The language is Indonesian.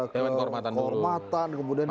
ketua kormatan dulu